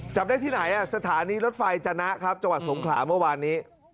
จับได้ที่ไหนสถานีรถไฟจนะครับจังหวัดสงขลาเมื่อวานนี้